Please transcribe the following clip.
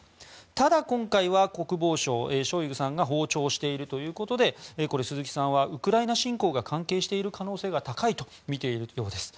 ただ今回は国防相ショイグさんが訪朝しているということで鈴木さんはウクライナ侵攻が関係している可能性が高いとみているようです。